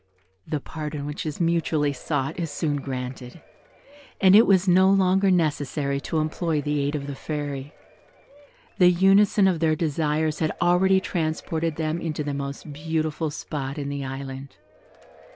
The pardon which is mutually sought is soon granted; and it was no longer necessary to implore the aid of the Fairy. The unison of their desires had already transported them into the most beautiful spot in the Island.